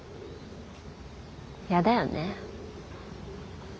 やだよね。